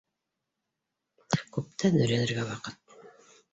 Күптән өйрәнергә ваҡыт.